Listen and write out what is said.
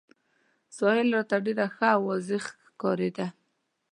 ساحل راته ډېر ښه او واضح ښکارېده.